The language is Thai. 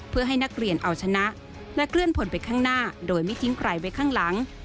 เพื่อให้นักเรียนเอาชนะและเคลื่อนผลไปข้างหน้าโดยไม่ทิ้งใครไว้ข้างหลัง